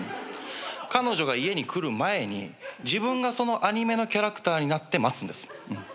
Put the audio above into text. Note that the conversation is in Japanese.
彼女が家に来る前に自分がそのアニメのキャラクターになって待つんです。